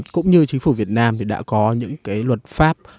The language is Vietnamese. cũng như chính phủ việt nam thì đã có những cái luật pháp